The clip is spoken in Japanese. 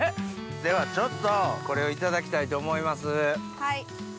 ではちょっとこれをいただきたいと思います。